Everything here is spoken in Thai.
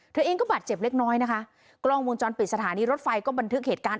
เธอเองก็บาดเจ็บเล็กน้อยนะคะกล้องวงจรปิดสถานีรถไฟก็บันทึกเหตุการณ์